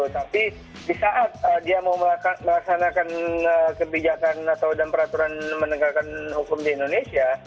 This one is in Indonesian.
kalau mau melaksanakan kebijakan atau dan peraturan menegakkan hukum di indonesia